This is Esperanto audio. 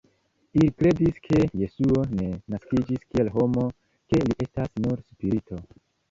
Ili kredis, ke Jesuo ne naskiĝis kiel homo, ke li estas nur spirito.